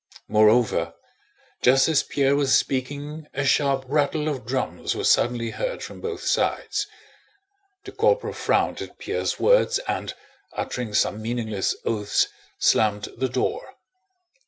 Moreover, just as Pierre was speaking a sharp rattle of drums was suddenly heard from both sides. The corporal frowned at Pierre's words and, uttering some meaningless oaths, slammed the door.